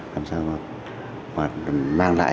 làm sao nó mang lại